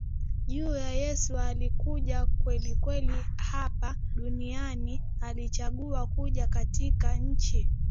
juu ya Yesu Alikuja kwelikweli hapa duniani Alichagua kuja katika nchi